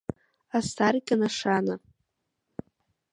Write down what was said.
Асаркьа нашана…